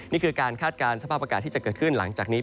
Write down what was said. นี่คือการคาดการณ์สภาพอากาศที่จะเกิดขึ้นหลังจากนี้